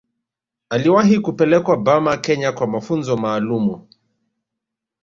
Aliwahi kupelekwa Burma Kenya kwa mafunzo maalumu